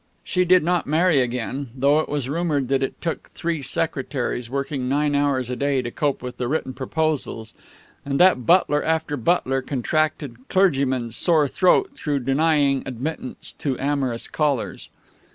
She did not marry again, though it was rumored that it took three secretaries, working nine hours a day, to cope with the written proposals, and that butler after butler contracted clergyman's sore throat through denying admittance to amorous callers.